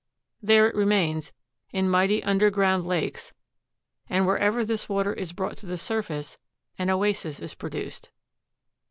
There it remains, in mighty underground lakes, and wherever this water is brought to the surface an oasis is produced.